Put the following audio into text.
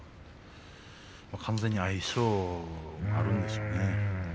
完全に相性があるんでしょうね。